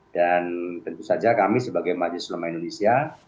dan tentu saja kami sebagai majelis selama indonesia